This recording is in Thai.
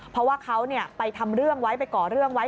เพราะว่าเขาไปทำเรื่องไว้ไปก่อเรื่องไว้